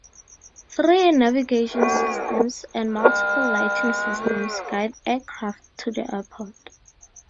Three navigation systems and multiple lighting systems guide aircraft to the Airport.